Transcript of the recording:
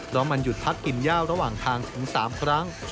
เพราะมันหยุดพักกินย่าระหว่างทางถึง๓ครั้ง